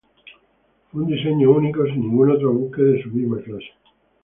Fue un diseño único, sin ningún otro buque de su misma clase.